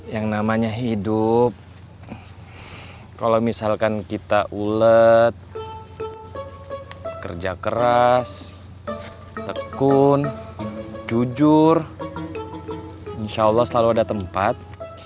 yang namanya hidup kalau misalkan kita ulet kerja keras tekun jujur insya allah selalu ada tempat